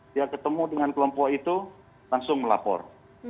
dia ketemu dengan kelompok itu langsung melapor